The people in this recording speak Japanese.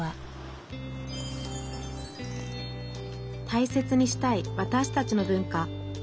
大切にしたいわたしたちの文化。